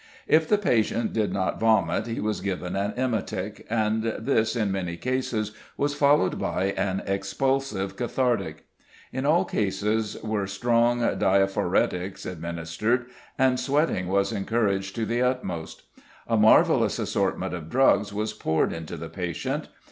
If the patient did not vomit he was given an emetic, and this in many cases was followed by an expulsive cathartic. In all cases were strong diaphoretics administered, and sweating was encouraged to the utmost. A marvellous assortment of drugs was poured into the patient.